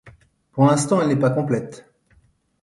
Pour l'instant elle n'est pas complète.